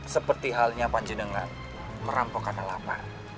seperti halnya panjendengan merampok karena lapar